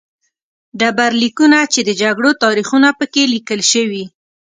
ډبرلیکونه چې د جګړو تاریخونه په کې لیکل شوي